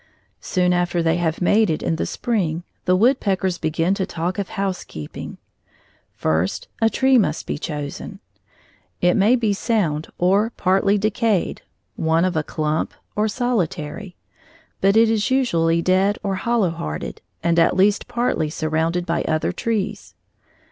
Soon after they have mated in the spring, the woodpeckers begin to talk of housekeeping. First, a tree must be chosen. It may be sound or partly decayed, one of a clump or solitary; but it is usually dead or hollow hearted, and at least partly surrounded by other trees.